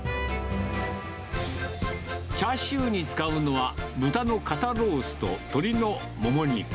チャーシューに使うのは、豚の肩ロースと鶏のもも肉。